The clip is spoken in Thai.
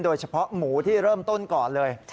โดยเฉพาะหมูที่เริ่มต้นก่อนเลย